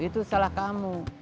itu salah kamu